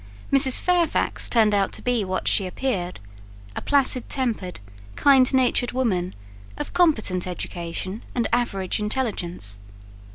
Mrs. Fairfax turned out to be what she appeared, a placid tempered, kind natured woman, of competent education and average intelligence.